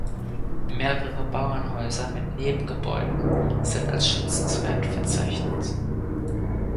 Mehrere Bauernhäuser mit Nebengebäuden sind als schützenswert verzeichnet.